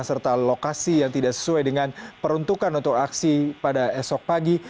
serta lokasi yang tidak sesuai dengan peruntukan untuk aksi pada esok pagi